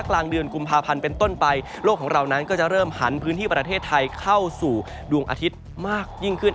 กลางเดือนกุมภาพันธ์เป็นต้นไปโลกของเรานั้นก็จะเริ่มหันพื้นที่ประเทศไทยเข้าสู่ดวงอาทิตย์มากยิ่งขึ้น